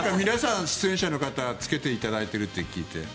皆さん、出演者の方つけていただいていると聞いて。